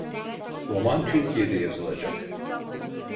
Roman, Türkiye'de yazılacak.